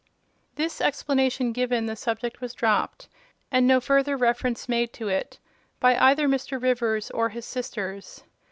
This explanation given, the subject was dropped, and no further reference made to it by either Mr. Rivers or his sisters.